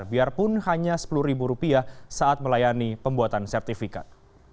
biarpun hanya rp sepuluh saat melayani pembuatan sertifikat